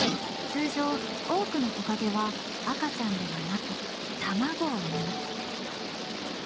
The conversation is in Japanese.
通常多くのトカゲは赤ちゃんではなく卵を産む。